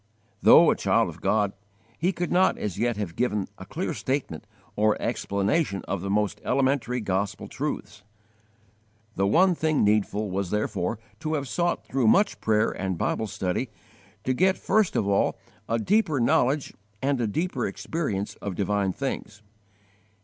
Though a child of God, he could not as yet have given a clear statement or explanation of the most elementary gospel truths. The one thing needful was therefore to have sought through much prayer and Bible study to get first of all a deeper knowledge and a deeper experience of divine things.